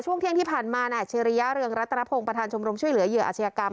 ช่วงเที่ยงที่ผ่านมานายอาชิริยะเรืองรัตนพงศ์ประธานชมรมช่วยเหลือเหยื่ออาชญากรรม